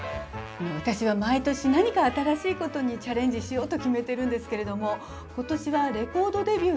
私は毎年何か新しいことにチャレンジしようと決めてるんですけれども今年はレコードデビュー